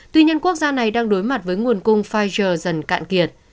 tuy nhiên quốc gia này đang đối mặt với nguồn cung pfizer dần cạn kiệt